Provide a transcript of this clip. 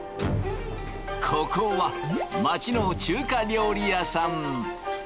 ここは街の中華料理屋さん。